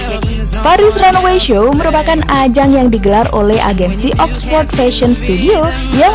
jadi paris runway show merupakan ajang yang digelar oleh agensi oxford fashion studio yang